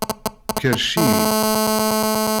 Kerrec-iyi!